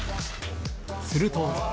すると。